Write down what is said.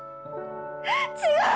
違う！